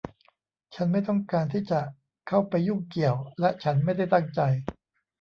ฉันไม่ต้องการที่จะเข้าไปยุ่งเกี่ยว และฉันไม่ได้ตั้งใจ